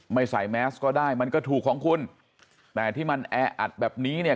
ไม่ใส่แมสก็ได้มันก็ถูกของคุณแต่ที่มันแออัดแบบนี้เนี่ย